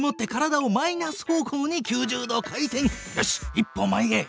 一歩前へ！